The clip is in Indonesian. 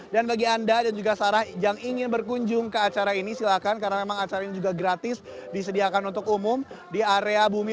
dan bagi anda dan juga sarah yang ingin berkunjung ke acara ini silakan karena memang acara ini juga gratis disediakan untuk umum di area bumi